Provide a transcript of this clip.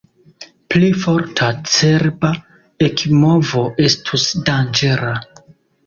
Pli forta cerba ekmovo estus danĝera.